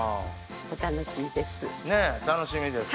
お楽しみです。